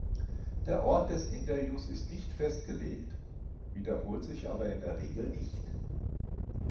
Der Ort des Interviews ist nicht festgelegt, wiederholt sich aber in der Regel nicht.